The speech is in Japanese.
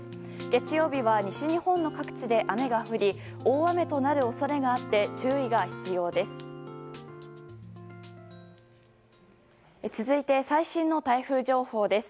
月曜日は西日本の各地で雨が降り大雨となる恐れがあって注意が必要です。